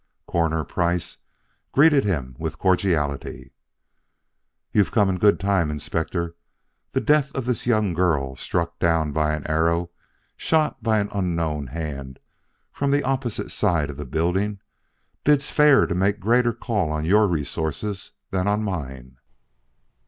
Coroner Price greeted him with cordiality: "You've come in good time, Inspector. The death of this young girl struck down by an arrow shot by an unknown hand from the opposite side of the building bids fair to make a greater call on your resources than on mine.